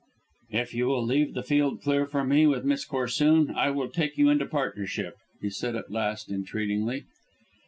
"If you will leave the field clear for me with Miss Corsoon I will take you into partnership," he said at last, entreatingly.